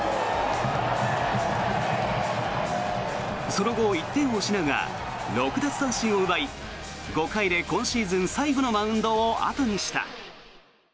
その後、１点を失うが６奪三振を奪い５回で今シーズン最後のマウンドを後にした。